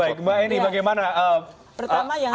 baik mbak eni bagaimana